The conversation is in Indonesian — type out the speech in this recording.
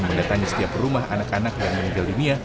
mendatangi setiap rumah anak anak yang meninggal dunia